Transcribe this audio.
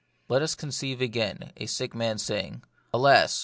Let us conceive, again, a sick man saying, " Alas